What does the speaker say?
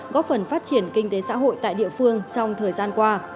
góp phần phát triển kinh tế xã hội tại địa phương trong thời gian qua